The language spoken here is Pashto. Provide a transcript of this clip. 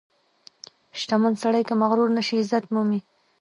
• شتمن سړی که مغرور نشي، عزت مومي.